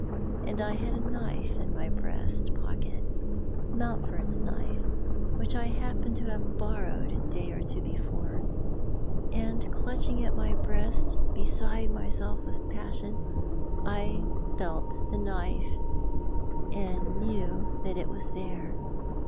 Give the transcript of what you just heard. And I had a knife in my breast pocket— Mountford's knife, which I happened to have borrowed a day or two before— and clutching at my breast, beside myself with passion, 1 felt the knife, and knew that it was there.